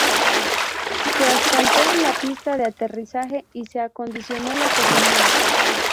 Se asfalto la pista de aterrizaje y se acondicionó la terminal.